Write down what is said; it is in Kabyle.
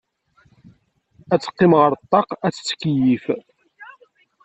Ad teqqim ɣer ṭṭaq ad tettkeyyif.